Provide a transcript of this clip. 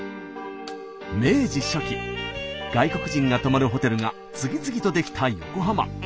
明治初期外国人が泊まるホテルが次々と出来た横浜。